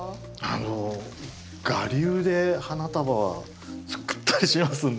あの我流で花束は作ったりしますんで。